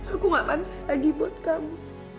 aku gak pantas lagi buat kamu